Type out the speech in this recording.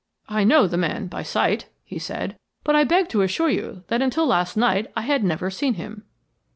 "I know the man by sight," he said; "but I beg to assure you that until last night I had never seen him."